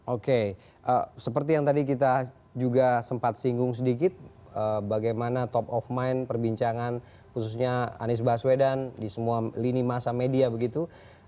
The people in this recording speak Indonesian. oke seperti yang tadi kita juga sempat singgung sedikit bagaimana top of mind perbincangan khususnya anies baswedan di semua lini masa media begitu